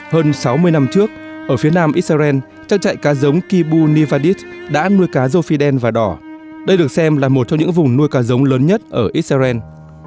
hơn sáu mươi năm trước ở phía nam israel trang trại cá giống kibu nevadis đã nuôi cá rô fidel và đỏ đây được xem là một trong những vùng nuôi cá giống lớn nhất ở israel